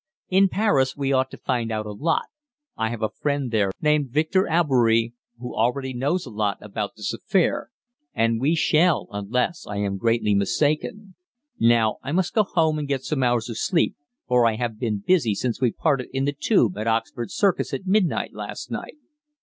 In Paris we ought to find out a lot I have a friend there named Victor Albeury, who already knows a lot about this affair and we shall, unless I am greatly mistaken. Now I must go home and get some hours of sleep, for I have been busy since we parted in the 'Tube' at Oxford Circus at midnight last night."